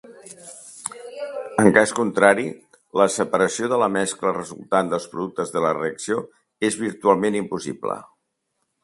En cas contrari, la separació de la mescla resultant dels productes de la reacció és virtualment impossible.